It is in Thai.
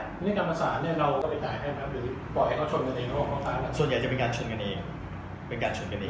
ในกรรมศาลเราก็ไปจ่ายให้ไหมครับหรือปล่อยให้เขาชนกันเอง